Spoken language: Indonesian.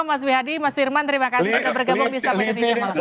mas wi hadi mas firman terima kasih sudah bergabung di sampai deni siamalang